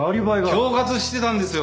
恐喝してたんですよ！